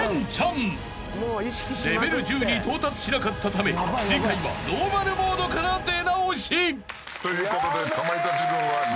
［レベル１０に到達しなかったため次回はノーマルモードから出直し］ということで。